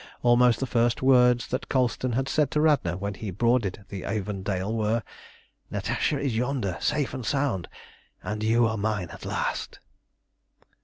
Almost the first words that Colston had said to Radna when he boarded the Avondale were "Natasha is yonder, safe and sound, and you are mine at last!"